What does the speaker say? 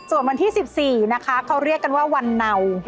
ส่วนวันที่๑๔นะคะเขาเรียกกันว่าวันเนา